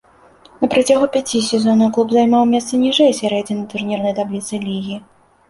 На працягу пяці сезонаў клуб займаў месца ніжэй сярэдзіны турнірнай табліцы лігі.